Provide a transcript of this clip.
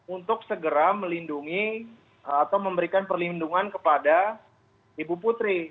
untuk segera melindungi atau memberikan perlindungan kepada ibu putri